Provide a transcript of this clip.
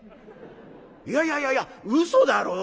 いやいやいやいや嘘だろう？」。